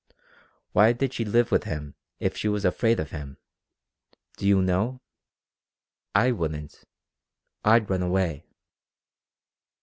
Why did she live with him if she was afraid of him? Do you know? I wouldn't. I'd run away."